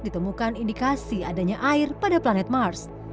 ditemukan indikasi adanya air pada planet mars